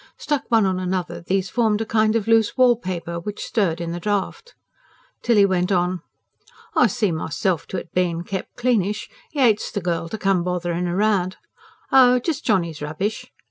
Stuck one on another, these formed a kind of loose wallpaper, which stirred in the draught. Tilly went on: "I see myself to it being kept cleanish; 'e hates the girl to come bothering round. Oh, just Johnny's rubbish!"